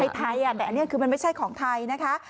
ไทยแต่อันนี้คือมันไม่ใช่ของไทยนะคะ